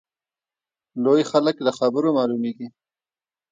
لوی خلک له خبرو معلومیږي.